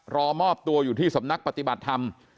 รอมอบตัวอยู่ที่สำนักปฏิบัติธรรม